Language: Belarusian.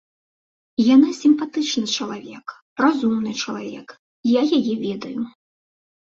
Яна сімпатычны чалавек, разумны чалавек, я яе ведаю.